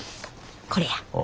これや。